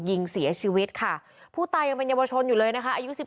ยิงเสียชีวิตค่ะผู้ตายยังเป็นเยาวชนอยู่เลยนะคะอายุสิบ